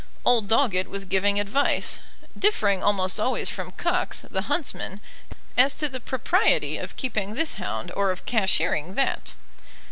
Old Doggett was giving advice, differing almost always from Cox, the huntsman, as to the propriety of keeping this hound or of cashiering that.